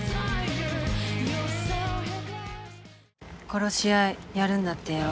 殺し合いやるんだってよ。